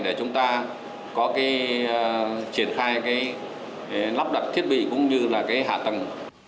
để chúng ta có triển khai lắp đặt thiết bị cũng như hạ tầng